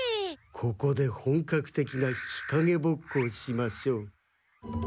ここで本格的な日陰ぼっこをしましょう。